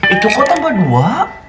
itu kok tambah dua